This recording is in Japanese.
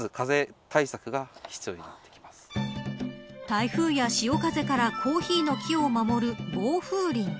台風や潮風からコーヒーの木を守る暴風林。